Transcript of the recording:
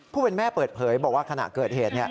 ผู้เป็นแม่เปิดเผยบอกว่าขณะเกิดเหตุ